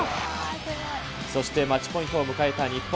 そしてマッチポイントを迎えた日本。